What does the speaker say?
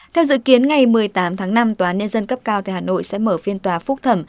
theo dự kiến ngày một mươi tám tháng năm tòa án nhân dân cấp cao tại hà nội sẽ mở phiên tòa phúc thẩm